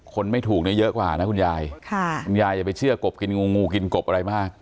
คนไม่ถูกเยอะกว่านะคุณยายคุณยายไปเชื่อกบกินงูกินกบอะไรบ้าง